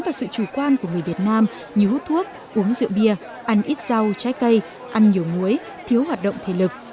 và sự chủ quan của người việt nam như hút thuốc uống rượu bia ăn ít rau trái cây ăn nhiều muối thiếu hoạt động thể lực